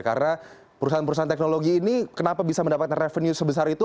karena perusahaan perusahaan teknologi ini kenapa bisa mendapatkan revenue sebesar itu